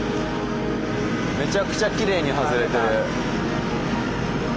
めちゃくちゃキレイに外れてる。